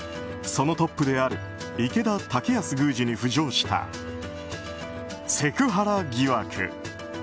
そのトップである池田剛康宮司に浮上したセクハラ疑惑。